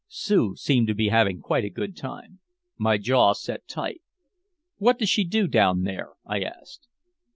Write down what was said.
Sue seemed to be having quite a good time. My jaw set tight. "What does she do down there?" I asked.